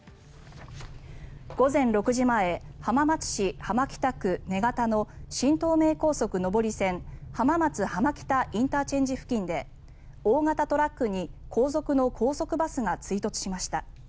午前６時前、浜松市浜北区根堅の新東名高速上り線浜松浜北ＩＣ付近で大型トラックに後続の高速バスが追突しました。